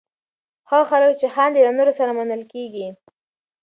هغه خلک چې خاندي، له نورو سره منل کېږي.